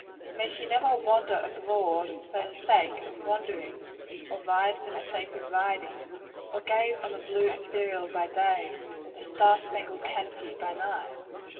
May she never wander abroad for the sake of wandering, or ride for the sake of riding; or gaze on the blue ethereal by day, or the star spangled canopy by night?